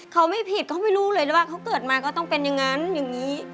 เขาไม่ผิดเขาไม่รู้เลยว่าเขาเกิดมาก็ต้องเป็นอย่างนั้นอย่างนี้